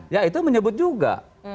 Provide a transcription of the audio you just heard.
ya itu menyebut juga